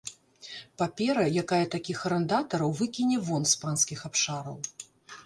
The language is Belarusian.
Папера, якая такіх арандатараў выкіне вон з панскіх абшараў.